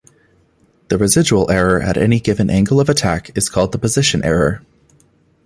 The residual error at any given angle of attack is called the position error.